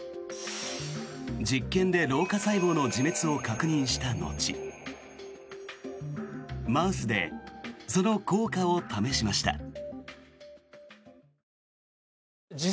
実験で老化細胞の自滅を確認した後マウスでその効果を試しました。